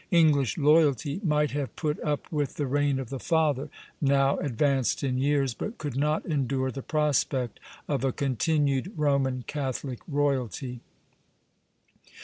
English loyalty might have put up with the reign of the father, now advanced in years, but could not endure the prospect of a continued Roman Catholic royalty.